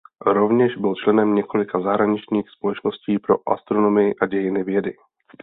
Rovněž byl členem několika zahraničních společností pro astronomii a dějiny vědy.